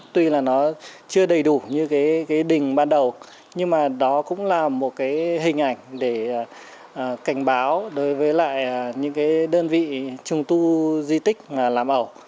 tuy là nó chưa đầy đủ như cái đình ban đầu nhưng mà đó cũng là một cái hình ảnh để cảnh báo đối với lại những cái đơn vị trùng tu di tích làm ẩu